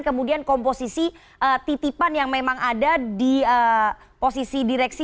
kemudian komposisi titipan yang memang ada di posisi direksi